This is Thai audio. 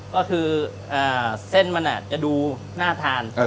ก็คือเส้นมันจะดูน่าทาน